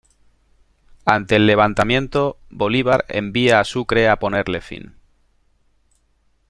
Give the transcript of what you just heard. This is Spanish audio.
Ante el levantamiento, Bolívar envía a Sucre a ponerle fin.